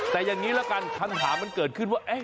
แต่อย่างนี้ละกันคำถามมันเกิดขึ้นว่า